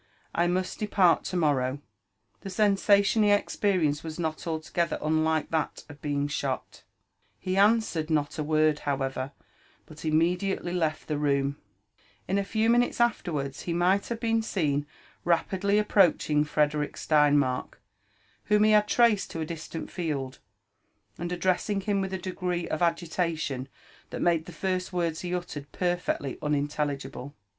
I must depart to morow V* the sensation he experienced was not altogether unlike that of being shot. He answered not a word, however, but immediately left the room, In a few mi nutes afterwards he might have been seen rapidly approaching Frede rick Steinmark, whom he had traced to a distant field, and addressing him with a degree of agitation that made the first words he uttered per fectly unintelligible.